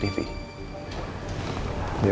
nanti gue tadi ya